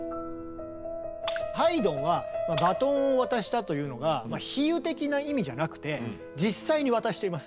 ハイドンはバトンを渡したというのが比喩的な意味じゃなくて実際に渡しています。